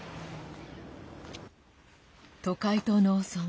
都会と農村。